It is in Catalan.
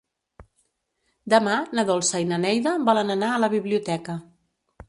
Demà na Dolça i na Neida volen anar a la biblioteca.